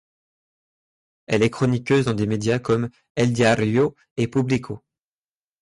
Elle est chroniqueuse dans des médias comme eldiario.es et Público.